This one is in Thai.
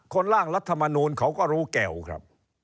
ร่างรัฐมนูลเขาก็รู้แก่วครับ